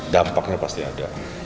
dampaknya pasti ada